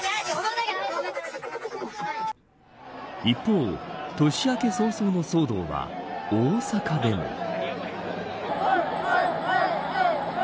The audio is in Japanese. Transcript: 一方、年明け早々の騒動は大阪でも。